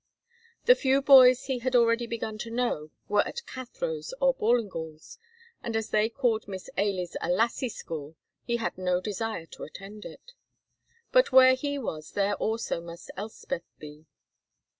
The few boys he had already begun to know were at Cathro's or Ballingall's, and as they called Miss Ailie's a lassie school he had no desire to attend it, but where he was there also must Elspeth be.